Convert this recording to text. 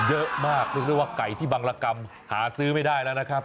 เยอะมากเรียกได้ว่าไก่ที่บังรกรรมหาซื้อไม่ได้แล้วนะครับ